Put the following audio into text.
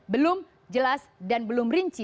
belum jelas dan belum rinci